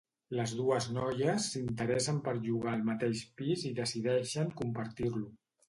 Les dues noies s'interessen per llogar el mateix pis i decideixen compartir-lo.